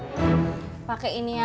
jangan pake gini aja